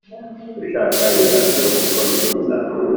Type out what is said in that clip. ushaka inganzo yo gukomeretsa